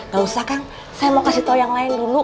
gak usah kang saya mau kasih tahu yang lain dulu